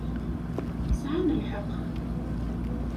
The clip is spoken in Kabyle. Sɛan lḥeqq.